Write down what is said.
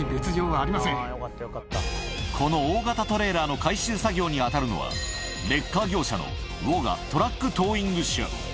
この大型トレーラーの回収作業に当たるのは、レッカー業者のウォガ・トラック・トーイング社。